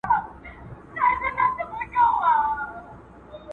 د کتابتون مهرونه پر کتابونو ښکاره وو.